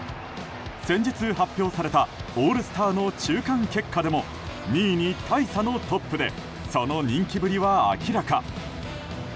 先日発表されたオールスターの中間結果でも２位に大差のトップでその人気ぶりは明らか。